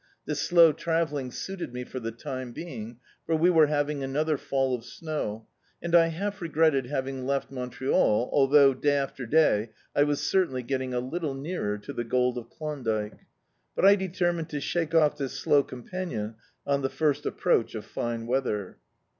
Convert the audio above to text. This slow travelling suited me for the time being, for we were having another fall of snow, and I half regretted having left Mcmtreal, although, day after day I was certainly getting a little nearer to the gold of Klondyke. But I deter mined to shake off this slow companion on the first approach of fine weather.